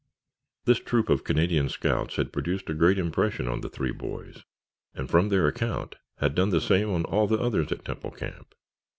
This troop of Canadian scouts had produced a great impression on the three boys, and, from their account, had done the same on all the others at Temple Camp.